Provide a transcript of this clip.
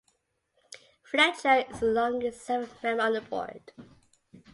Fletcher is the longest serving member on the board.